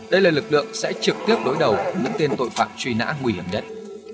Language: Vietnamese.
đây là lực lượng sẽ trực tiếp đối đầu với tên tội phạm truy nã nguy hiểm đất